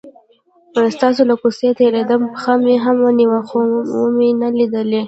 ستاسو له کوڅې تیرېدم، پښه مې هم ونیوه خو ومې نه لیدلې.